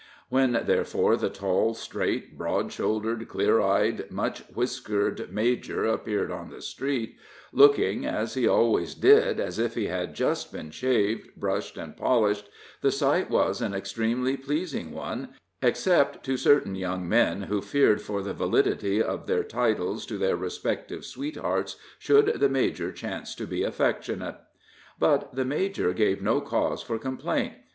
] When, therefore, the tall, straight, broad shouldered, clear eyed, much whiskered major appeared on the street, looking (as he always did) as if he had just been shaved, brushed and polished, the sight was an extremely pleasing one, except to certain young men who feared for the validity of their titles to their respective sweethearts should the major chance to be affectionate. But the major gave no cause for complaint.